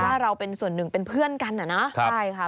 ก็คิดว่าเราเป็นส่วนหนึ่งเป็นเพื่อนกันอะนะ